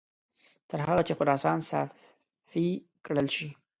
تر هغه چې خراسان صافي کړل شي.